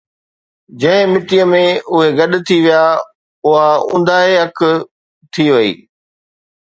جنهن مٽيءَ ۾ اهي گڏ ٿي ويا، اُها اونداهي اک ٿي وئي